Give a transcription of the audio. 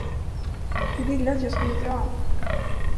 Du ville att jag skulle dra.